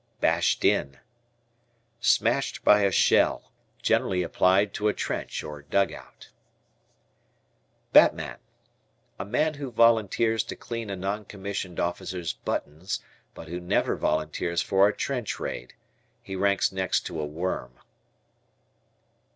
"Bashed in." Smashed by a shell. Generally applied to a trench or dugout. Batman. A man who volunteers to clean a non commissioned officer's buttons but who never volunteers for a trench raid. He ranks nest to a worm.